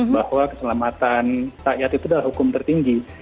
bahwa keselamatan rakyat itu adalah hukum tertinggi